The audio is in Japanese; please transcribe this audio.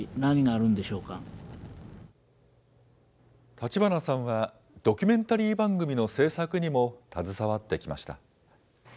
立花さんはドキュメンタリー番組の制作にも携わってきました。